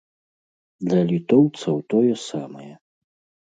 Для літоўцаў тое самае.